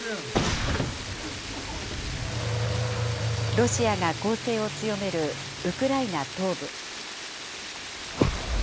ロシアが攻勢を強めるウクライナ東部。